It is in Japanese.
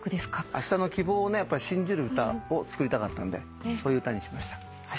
あしたの希望を信じる歌を作りたかったんでそういう歌にしました。